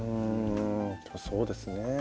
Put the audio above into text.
うんそうですね。